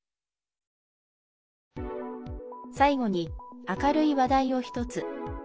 最後に明るい話題を１つ。